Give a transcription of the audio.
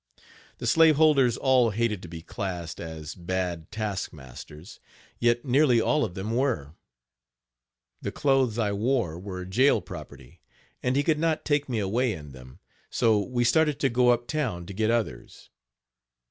The slave holders all hated to be classed as bad task masters. Yet nearly all of them were. The clothes I wore were jail property, and he could not take me away in them; so we started to go up town to get others.